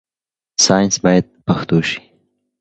ساينس بايد پښتو شي.